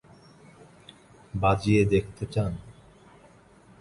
বাজিয়ে দেখতে চান?